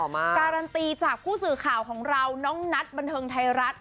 การันตีจากผู้สื่อข่าวของเราน้องนัทบันเทิงไทยรัฐ